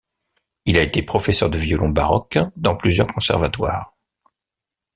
Il a été professeur de violon baroque dans plusieurs conservatoires.